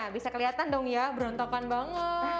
bisa kelihatan dong ya berontokan banget